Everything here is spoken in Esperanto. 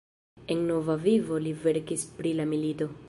En nova vivo li verkis pri la milito.